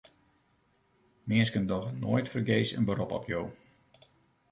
Minsken dogge noait fergees in berop op jo.